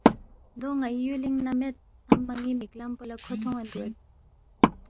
دو نائی یولینگ نہ مید امہ نی مک لم پو لاکھو تھونین دوگید۔